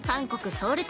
ソウル旅